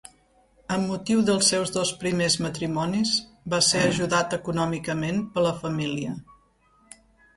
Amb motiu dels seus dos primers matrimonis va ser ajudat econòmicament per la família.